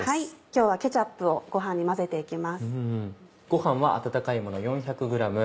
今日はケチャップをご飯に混ぜて行きます。